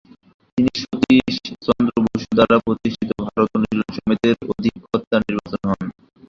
তিনি সতীশচন্দ্র বসু দ্বারা প্রতিষ্ঠিত ভারত অনুশীলন সমিতির অধিকর্তা নির্বাচিত হন।